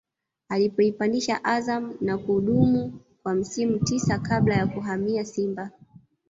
alipoipandisha Azam na kudumu kwa misimu tisa kabla ya kuhamia Simba